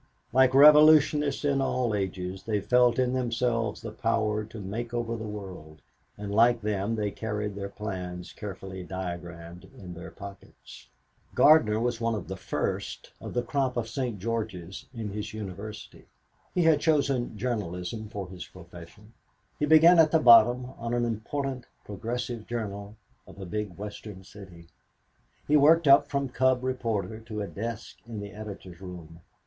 Like revolutionists in all ages they felt in themselves the power to make over the world and like them they carried their plans carefully diagramed in their pockets. Gardner was one of the first of the crop of St. Georges in his university. He had chosen journalism for his profession. He began at the bottom on an important Progressive journal of a big Western city. He worked up from cub reporter to a desk in the editor's room.